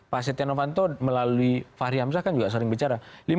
pak setia novanto melalui fahri hamzah kan juga sering bicara